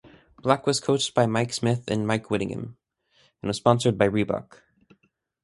Black was coached by Mike Smith and Mike Whittingham, and was sponsored by Reebok.